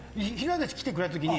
でも来てくれたときに。